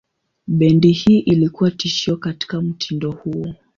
Bendi hii ilikuwa tishio katika mtindo huo.